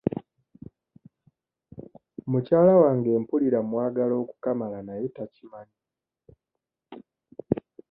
Mukyala wange mpulira mwagala okukamala naye takimanyi.